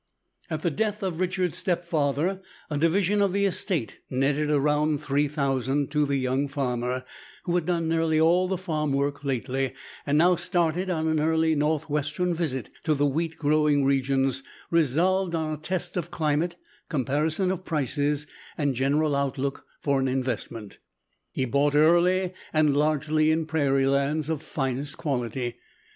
At the death of Richard's stepfather a division of the estate netted a round three thousand to the young farmer, who had done nearly all the farm work lately, and now started on an early Northwestern visit to the wheat growing regions, resolved on a test of climate, comparison of prices, and general outlook for an investment. He bought early and largely in prairie lands of finest quality.